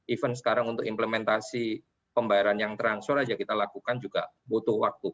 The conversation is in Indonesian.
even sekarang untuk implementasi pembayaran yang transfer aja kita lakukan juga butuh waktu